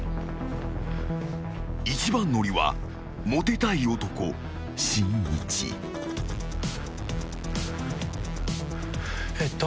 ［一番乗りはモテたい男しんいち］えっと。